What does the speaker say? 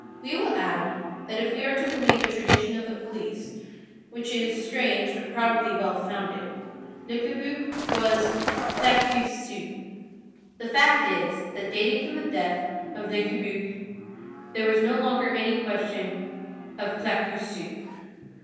We will add, that if we are to believe a tradition of the police, which is strange but probably well founded, Le Cabuc was Claquesous. The fact is, that dating from the death of Le Cabuc, there was no longer any question of Claquesous.